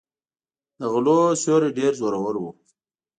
د غلو سیوری ډېر زورور و.